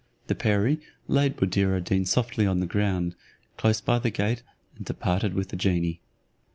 The perie laid Buddir ad Deen softly on the ground, close by the gate, and departed with the genie.